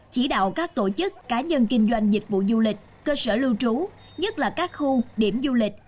chỉ đạo các tổ chức cá nhân kinh doanh dịch vụ du lịch cơ sở lưu trú nhất là các khu điểm du lịch